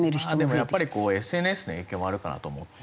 でもやっぱりこうＳＮＳの影響もあるかなと思って。